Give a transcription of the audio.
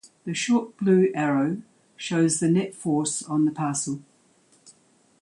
The short blue arrow shows the net force on the parcel.